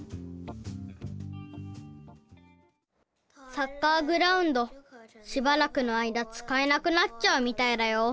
サッカーグラウンドしばらくの間つかえなくなっちゃうみたいだよ。